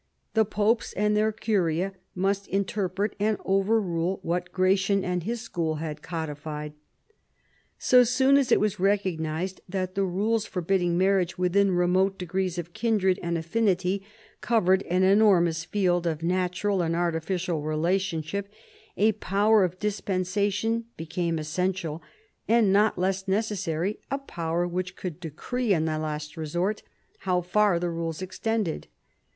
The popes and their curia must inter pret and overrule what Gratian and his school had codified. So soon as it was recognised that the rules for bidding marriage within remote degrees of kindre^jmd^ affinity covered an enormous field of natural and artificial relationship, a power of dispensation became essential, and not less necessary a power which should decree in the last resort how far the rules extended.